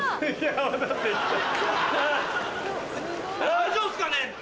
大丈夫っすかね？